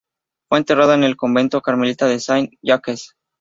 Fue enterrada en el convento carmelita de Saint-Jacques.